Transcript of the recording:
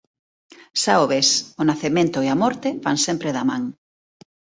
Xa o ves: o nacemento e a morte van sempre da man.